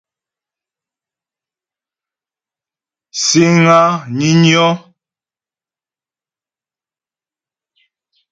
Síŋ á nyə́nyɔ́.